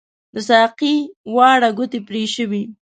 د ساقۍ واړه ګوتې پري شوي